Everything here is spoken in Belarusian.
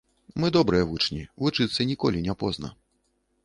Мы добрыя вучні, вучыцца ніколі не позна.